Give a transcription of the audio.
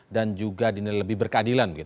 dan juga dinilai lebih berkeadilan